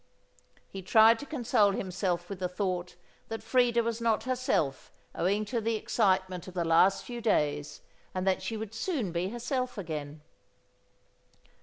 He tried to console himself with the thought that Freda was not herself owing to the excitement of the last few days, and that she would soon be herself again.